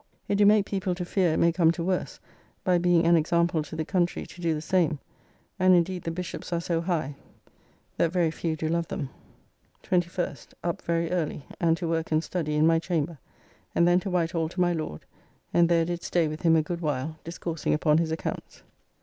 It do make people to fear it may come to worse, by being an example to the country to do the same. And indeed the Bishops are so high, that very few do love them. 21st. Up very early, and to work and study in my chamber, and then to Whitehall to my Lord, and there did stay with him a good while discoursing upon his accounts.